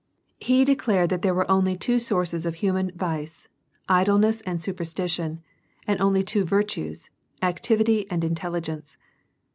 103 He declared that there were only two sources of human vice, idleness and superstition ; and only two virtues, activity and intelligence.